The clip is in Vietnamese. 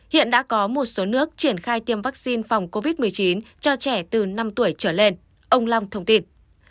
hiện đã có một số nước triển khai tiêm vaccine phòng covid một mươi chín cho trẻ từ năm tuổi trở lên ông long thông tin